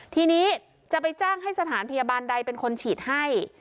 ทีนี้จะไปจ้างให้สถานพยาบาลใดเป็นคนฉีดให้